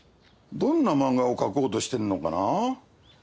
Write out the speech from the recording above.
どんな漫画をかこうとしてるのかな？